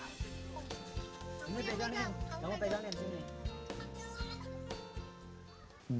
kamu pegang ini